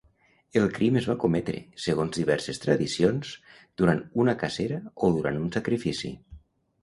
El crim es va cometre, segons diverses tradicions, durant una cacera o durant un sacrifici.